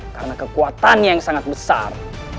karena kekuatannya yang sangat besar